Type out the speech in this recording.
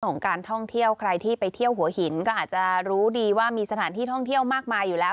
ของการท่องเที่ยวใครที่ไปเที่ยวหัวหินก็อาจจะรู้ดีว่ามีสถานที่ท่องเที่ยวมากมายอยู่แล้ว